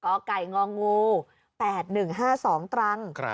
กไก่งองู๘๑๕๒ตรัง